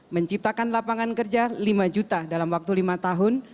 menciptakan lapangan kerja lima juta dalam waktu lima tahun